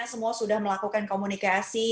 semua sudah melakukan komunikasi